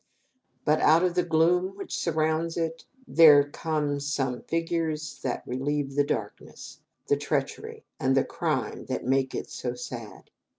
But out of the gloom which surrounds it, there come some figures that relieve the darkness, the treachery, and the crime that make it so sad.